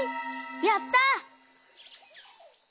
やった！